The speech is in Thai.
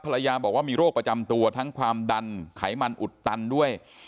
ภรรยาบอกว่ามีโรคประจำตัวทั้งความดันไขมันอุดตันด้วย